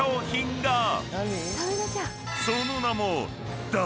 ［その名も］